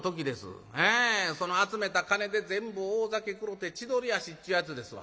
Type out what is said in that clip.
ええその集めた金で全部大酒食ろて千鳥足っちゅうやつですわ。